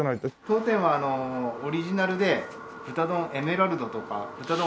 当店はオリジナルで豚丼エメラルドとか豚丼